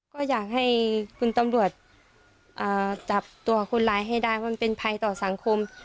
ก็อยากให้คุณตำรวจจับตัวคนร้ายให้ได้ว่ามันเป็นภัยต่อสังคม